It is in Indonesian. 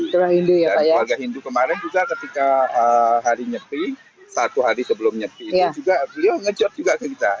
dari keluarga hindu kemarin juga ketika hari nyepi satu hari sebelum nyepi itu juga beliau ngejot juga ke kita